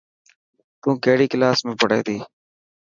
تون ڪهڙي ڪلاس ۾ پهڙي ٿي.